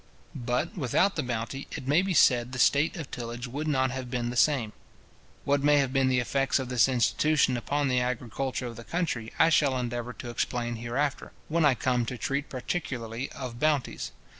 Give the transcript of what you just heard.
But, without the bounty, it may be said the state of tillage would not have been the same. What may have been the effects of this institution upon the agriculture of the country, I shall endeavour to explain hereafter, when I come to treat particularly of bounties.